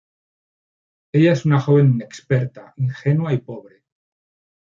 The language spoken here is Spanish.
Ella es una joven inexperta, ingenua y pobre.